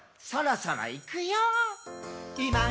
「そろそろいくよー」